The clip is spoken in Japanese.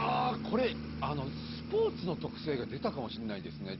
これスポーツの特性が出たかもしれないですね